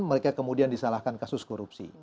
mereka kemudian disalahkan kasus korupsi